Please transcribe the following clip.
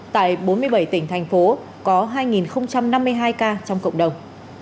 tại bốn mươi bảy tỉnh thành phố có hai năm mươi hai ca trong cộng đồng